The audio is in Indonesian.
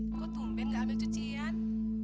kok tumben gak ambil cucian